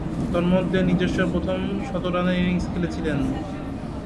তন্মধ্যে, নিজস্ব প্রথম শতরানের ইনিংস খেলেছিলেন।